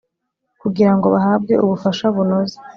kugira ngo bahabwe ubufasha bunoze